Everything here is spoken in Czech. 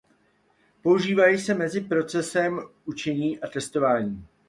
Používají se mezi procesem učení a testování.